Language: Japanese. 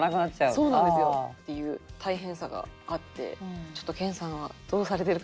そうなんですよ。っていう大変さがあってちょっと研さんはどうされてるかな？